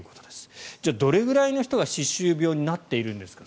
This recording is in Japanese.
じゃあどれくらいの人が歯周病になっているんですか。